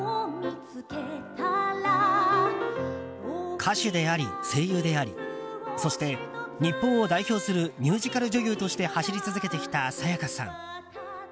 歌手であり、声優でありそして日本を代表するミュージカル女優として走り続けてきた沙也加さん。